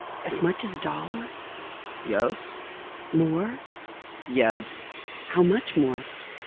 "As much as a dollar?" "Yes." "More?" "Yes." "How much more?"